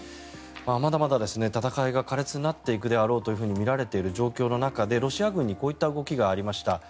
まだまだ戦いが苛烈になっていくだろうとみられている状況の中でロシア軍にこういった動きがありました。